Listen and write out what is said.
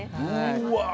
うわ！